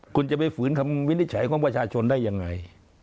คุณจะไปฝืนคำวินิจฉัยของประชาชนได้ยังไง